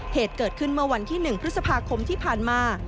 เหตุเกิดขึ้นเมื่อวันที่๑พฤษภาคมที่ผ่านมา